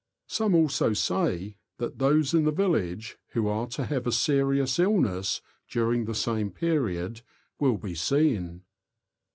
Some also say, that those in the village who are to have a serious illness during the same period will be seen.